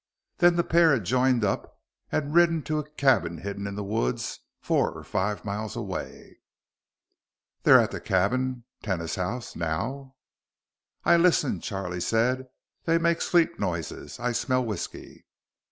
Then the pair had joined up again and ridden to a cabin hidden in the woods four or five miles away. "They're at the cabin, tenas house, now?" "I listen," Charlie said. "They make sleep noises. I smell whisky."